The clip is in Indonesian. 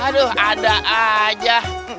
aduh ada aja